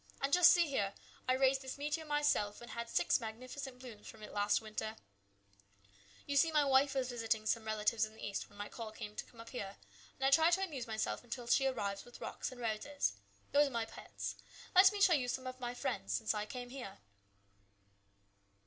And just see here ! I raised this Meteor myself and had six magnificent blooms from it last winter ! You see, my wife was visiting some relatives in the East when my call came to come up here, and I try to amuse myself until she arrives with rocks and roses. Those are my pets. Let me show you some of my friends since I came here."